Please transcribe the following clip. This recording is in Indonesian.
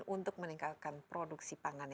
untuk meningkatkan produksi pangan